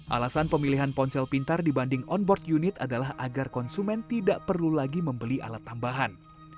alasan pemilihan ponsel pintar dibanding on board unit adalah agar konsumen tidak perlu lagi membeli alat tambahan